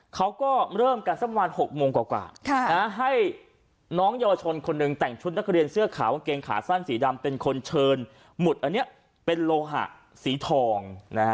เขาก็เริ่มกันสักประมาณ๖โมงกว่าให้น้องเยาวชนคนหนึ่งแต่งชุดนักเรียนเสื้อขาวกางเกงขาสั้นสีดำเป็นคนเชิญหมุดอันนี้เป็นโลหะสีทอง